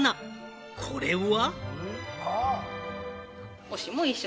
これは？